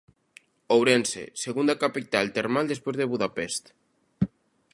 Ourense, segunda capital termal despois de Budapest.